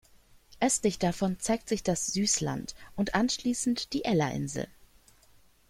Östlich davon zeigt sich das Suess-Land und anschließend die Ella-Insel.